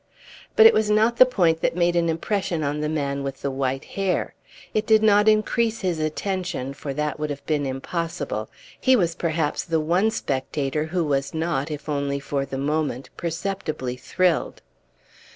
But it was not the point that made an impression on the man with the white hair; it did not increase his attention, for that would have been impossible; he was perhaps the one spectator who was not, if only for the moment, perceptibly thrilled.